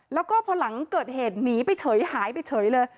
แล้วก็พอหลังเกิดเหตุหนีไปเฉยหายไปเฉยเลย